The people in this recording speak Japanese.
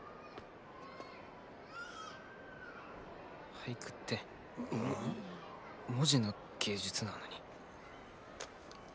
俳句って文字の芸術なのに。